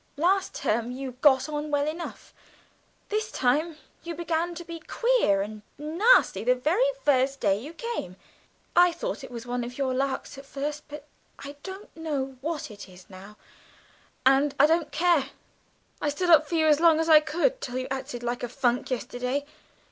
Last term you got on well enough this time you began to be queer and nasty the very first day you came. I thought it was one of your larks at first, but I don't know what it is now, and I don't care. I stood up for you as long as I could, till you acted like a funk yesterday.